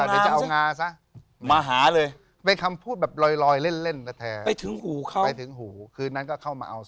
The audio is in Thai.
นี่มีเอาหน่าซะมาหาเลยไปทำพูดแบบลอยเล่นไปถึงภูเขาถึงก็เข้ามา๒๗๐